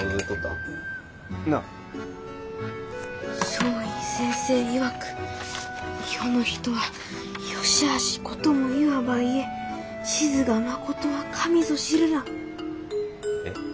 松陰先生いわく「世の人はよしあしごともいわばいえ賤が誠は神ぞ知るらん」。え？